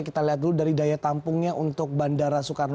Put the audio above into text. kita lihat dulu dari daya tampungnya untuk bandara